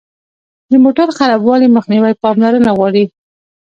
د موټر خرابوالي مخنیوی پاملرنه غواړي.